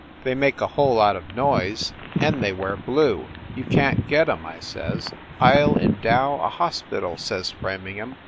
They make a whole lot of noise, and they wear blue." "You can t get em," I says. WYCHERLEY COURT 251 "I ll endow a hospital!" says Framingham.